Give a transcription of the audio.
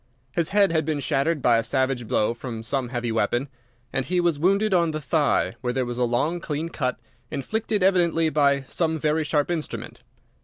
His head had been shattered by a savage blow from some heavy weapon, and he was wounded on the thigh, where there was a long, clean cut, inflicted evidently by some very sharp instrument.